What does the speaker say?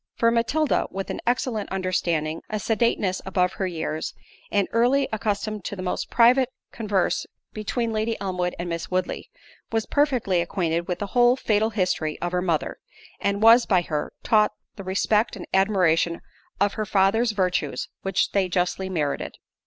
For Matilda (with an excellent understanding, a sedateness above her years, and early accustomed to the most private converse between Lady Elmwood and Miss Woodley) was perfectly acquainted with the whole fatal history of her mother; and was, by her, taught the respect and admiration of her father's virtues which they justly merited.